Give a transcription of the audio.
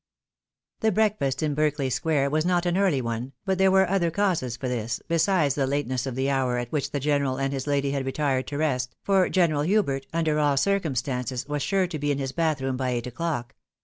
The breakiast in Berkeley sqi*re was not an early one, but there were other causes for this besides the lateness of the hour at which the general and his lady had retired to rest, for General Hubert, under all circumstances, was sure 'to be in his bath room by eight o'clock.